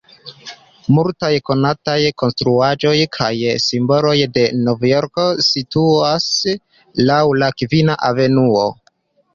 Multaj konataj konstruaĵoj kaj simboloj de Novjorko situas laŭ la Kvina Avenuo.